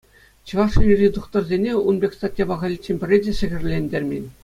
Чӑваш Енри тухтӑрсене ун пек статьяпа халиччен пӗрре те сехӗрлентермен.